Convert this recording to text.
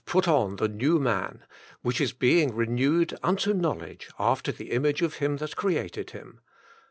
. put on the new man, which is being renewed unto knowledge after the Image of Him that created him."